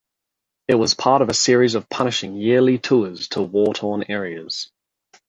It was part of a series of punishing yearly tours to war-torn areas.